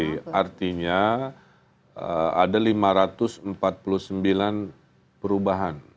karena ada lima ratus empat puluh sembilan perubahan